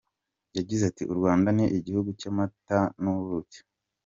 Yagize ati " U Rwanda ni igihugu cy’amata n’ubuki.